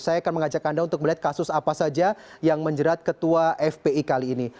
saya akan mengajak anda untuk melihat kasus apa saja yang menjerat ketua fpi kali ini